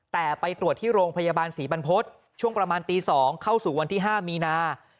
แต่ไปตรวจที่โรงพยาบาลศรีบรรพฤษช่วงประมาณตี๒เข้าสู่วันที่๕มีนา